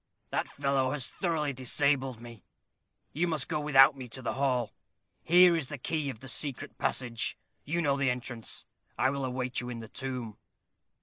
"That fellow has thoroughly disabled me. You must go without me to the hall. Here is the key of the secret passage. You know the entrance. I will await you in the tomb."